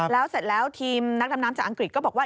แล้วเสร็จแล้วทีมนักดำน้ำจากอังกฤษก็บอกว่า